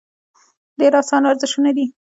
ډېر اسان ورزشونه دي -